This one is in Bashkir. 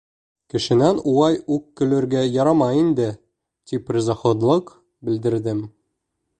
— Кешенән улай уҡ көлөргә ярамай инде, — тип ризаһыҙлыҡ белдерҙем.